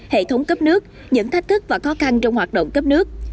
hệ thống cấp nước những thách thức và khó khăn trong hoạt động cấp nước